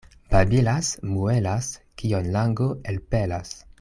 Babilas, muelas, kion lango elpelas.